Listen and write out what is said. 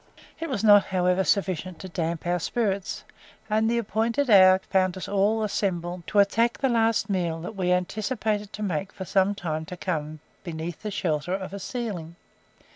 It was not, however, sufficient to damp our spirits, and the appointed hour found us all assembled to attack the last meal that we anticipated to make for some time to come beneath the shelter of a ceiling.